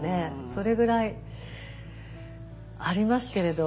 それぐらいありますけれど。